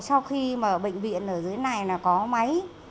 sau khi mà bệnh viện ở dưới này là có máy